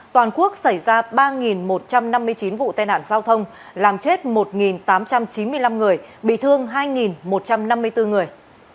toàn quốc xảy ra ba một trăm năm mươi chín vụ tai nạn giao thông làm chết một tám trăm chín mươi năm người bị thương hai một trăm năm mươi bốn người